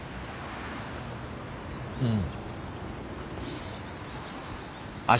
うん。